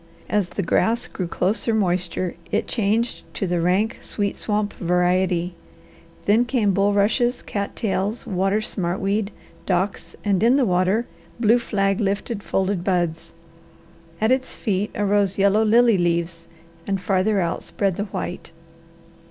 As the grass drew closer moisture it changed to the rank, sweet, swamp variety, then came bulrushes, cat tails, water smartweed, docks, and in the water blue flag lifted folded buds; at its feet arose yellow lily leaves and farther out spread the white.